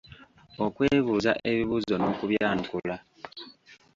Okwebuuza ebibuuzo n'okubyanukula